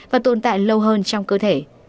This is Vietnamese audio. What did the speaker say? và tồn tại lâu hơn trong cơ thể